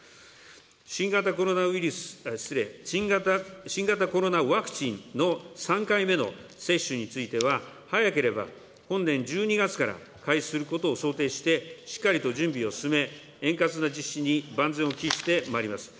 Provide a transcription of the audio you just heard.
新型コロナウイルス、失礼、新型コロナワクチンの３回目の接種については、早ければ本年１２月から開始することを想定して、しっかりと準備を進め、円滑な実施に万全を期してまいります。